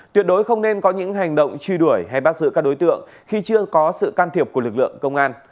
tuyệt đối không nên có những hành động truy đuổi hay bắt giữ các đối tượng khi chưa có sự can thiệp của lực lượng công an